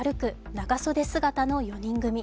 長袖姿の４人組。